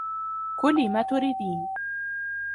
كُلي ما تريدين.